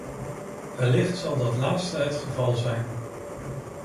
Wellicht zal dat laatste het geval zijn.